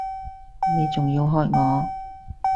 你仲要喝我！